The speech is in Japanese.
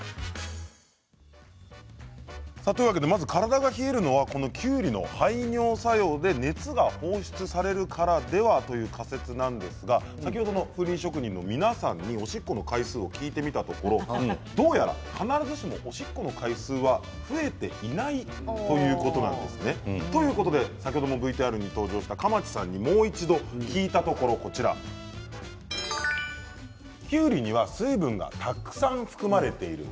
まず体が冷えるのはきゅうりの排尿作用で熱が放出されるからではという仮説なんですが先ほどの風鈴職人の皆さんにおしっこの回数を聞いてみたところどうやら必ずしもおしっこの回数は増えていないということなんですね。ということで先ほどのＶＴＲに登場した蒲池さんにもう一度聞いたところこちらです。